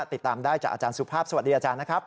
ติดตามได้จากอาจารย์สุภาพสวัสดีอาจารย์นะครับ